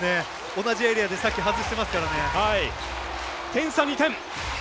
同じエリアでさっき外していますからね。